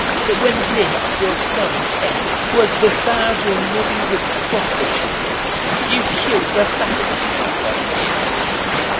015:030 But when this, your son, came, who has devoured your living with prostitutes, you killed the fattened calf for him.'